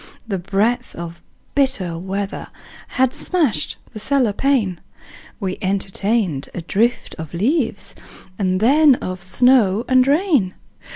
The breath of bitter weather Had smashed the cellar pane: We entertained a drift of leaves And then of snow and rain.